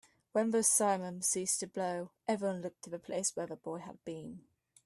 When the simum ceased to blow, everyone looked to the place where the boy had been.